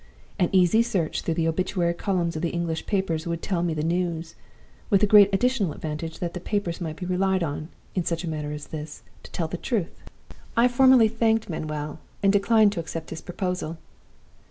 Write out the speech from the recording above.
An easy search through the obituary columns of the English papers would tell me the news with the great additional advantage that the papers might be relied on, in such a matter as this, to tell the truth. I formally thanked Manuel, and declined to accept his proposal.